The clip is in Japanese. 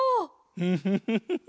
フフフフフ。